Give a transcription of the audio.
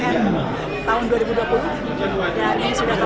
bisa agregator misalnya ya kemudian sedikit mengacang acang industri yang semudahnya